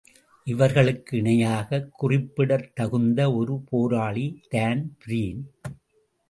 இவர்களுக்கு இணையாகக் குறிப்பிடத் தகுந்த ஒரு போராளி தான்பிரீன்.